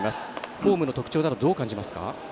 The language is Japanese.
フォームの特徴などどう感じますか？